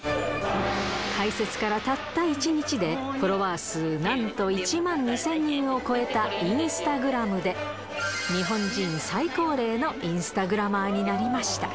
開設からたった１日で、フォロワー数なんと１万２０００人を超えたインスタグラムで、日本人最高齢のインスタグラマーになりました。